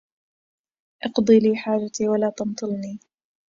اقضِ لي حاجتي ولا تمطلني